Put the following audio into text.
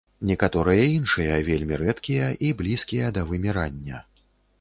Некаторыя іншыя вельмі рэдкія і блізкія да вымірання.